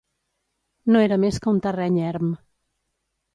No era més que un terreny erm.